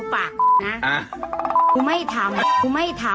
แม่บอกแม่มันไม่ทำ